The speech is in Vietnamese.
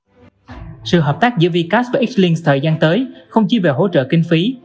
sự hợp tác giữa v cast và h link thời gian tới không chỉ về hỗ trợ kinh phí